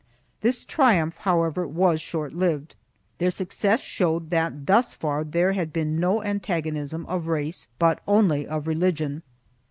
1 This triumph however was short lived. Their success showed that thus far there had been no antagonism of race but only of religion.